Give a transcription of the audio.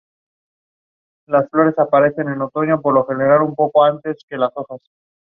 Se trata de un cráter circular con forma de cuenco.